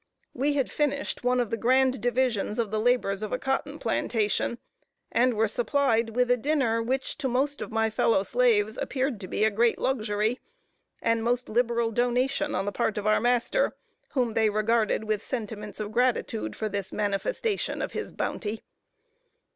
We had finished one of the grand divisions of the labors of a cotton plantation, and were supplied with a dinner, which to the most of my fellow slaves appeared to be a great luxury, and most liberal donation on the part of our master, whom they regarded with sentiments of gratitude for this manifestation of his bounty.